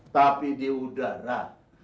tapi di udara